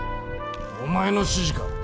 お前の指示か？